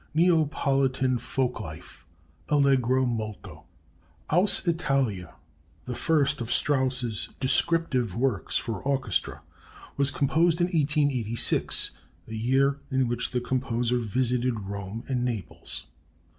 NEAPOLITAN FOLK LIFE (Allegro molto) "Aus Italia," the first of Strauss's descriptive works for orchestra, was composed in 1886, a year in which the composer visited Rome and Naples.